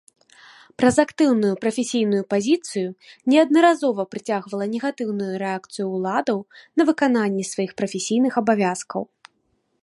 Праз актыўную прафесійную пазіцыю неаднаразова прыцягвала негатыўную рэакцыю ўладаў на выкананне сваіх прафесійных абавязкаў.